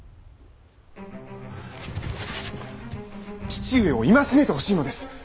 父上を戒めてほしいのです。